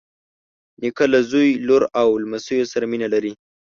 نیکه له زوی، لور او لمسیو سره مینه لري.